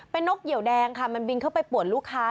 เป็นนกเหี่ยวแดงค่ะมันบินเข้าไปป่วนลูกค้า